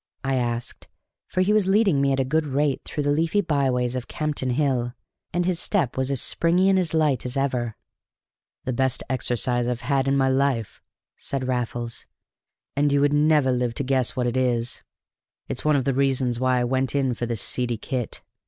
I asked; for he was leading me at a good rate through the leafy byways of Campden Hill; and his step was as springy and as light as ever. "The best exercise I ever had in my life," said Raffles; "and you would never live to guess what it is. It's one of the reasons why I went in for this seedy kit.